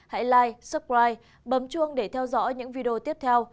hãy like subscribe bấm chuông để theo dõi những video tiếp theo